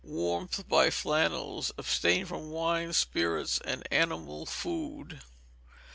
Warmth by flannels. Abstain from wines, spirits, and animal food.